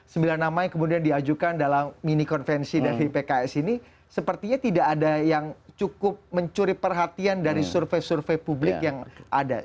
sembilan nama yang kemudian diajukan dalam mini konvensi dari pks ini sepertinya tidak ada yang cukup mencuri perhatian dari survei survei publik yang ada